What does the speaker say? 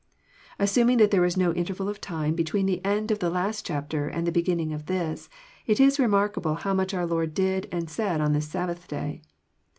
Assuming that there was no interval of time between the end of the last chapter and the beginning of this, it is remarkable how much our Lord did and said on this Sabbath day.